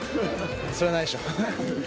それはないでしょ？